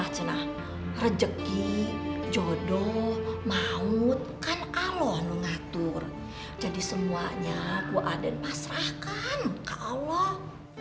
jadi aden yang pasrah kan kak allah